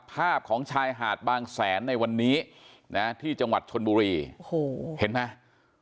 ภาพของชายหาดบางแสนในวันนี้นะที่จังหวัดชนบุรีโอ้โหเห็นไหม